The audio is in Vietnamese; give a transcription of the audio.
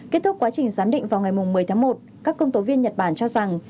kết thúc quá trình giám định vào ngày một mươi tháng một các công tố viên nhật bản cho rằng